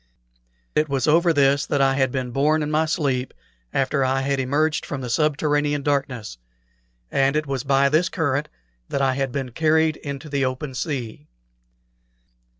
It was over this that I had been borne in my sleep, after I had emerged from the subterranean darkness, and it was by this current that I had been carried into the open sea.